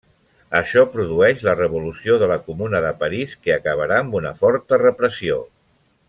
Això produeix la revolució de la Comuna de Paris que acabara amb una forta repressió.